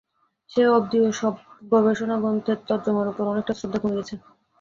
সেই অবধি ও-সব গবেষণাগ্রন্থের তর্জমার ওপর অনেকটা শ্রদ্ধা কমে গেছে।